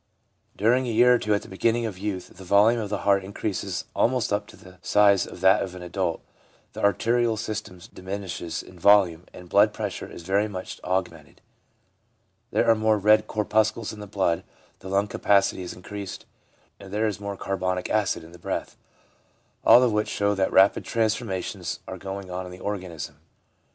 During a year or two at the beginning of youth, the volume of the heart increases almost to the size of that of an adult, the arterial system diminishes in volume, and blood pressure is very much augmented ; there are more red corpuscles in the blood, the lung capacity is increased, and there is more carbonic acid in the breath — all of which show that rapid transformations are going on in the organism.